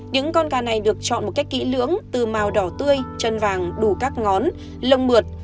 những con ca này được chọn một cách kỹ lưỡng từ màu đỏ tươi chân vàng đủ các ngón lông mượt